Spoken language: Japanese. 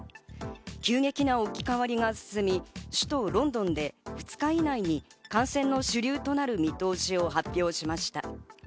急激な置き換わりが進み、首都ロンドンで２日以内に感染の主流となる見通しを発表しました。